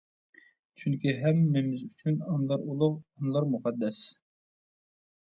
چۈنكى، ھەم-مىمىز ئۈچۈن ئانىلار ئۇلۇغ، ئانىلار مۇقەددەس!